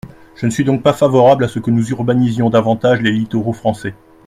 Je ne suis donc pas favorable à ce que nous urbanisions davantage les littoraux français.